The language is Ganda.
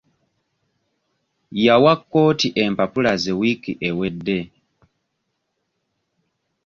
Yawa kkooti empapula ze wiiki ewedde.